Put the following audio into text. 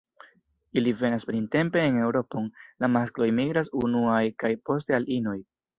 Ili venas printempe en Eŭropon; la maskloj migras unuaj kaj poste la inoj.